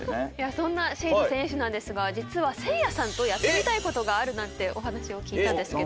そんなＳＨＡＤＥ選手なんですが実はせいやさんとやってみたいことがあるなんてお話を聞いたんですけど。